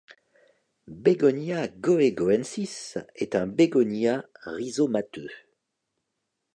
Begonia goegoensis est un bégonia rhizomateux.